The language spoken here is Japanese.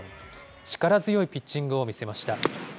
力強いピッチングを見せました。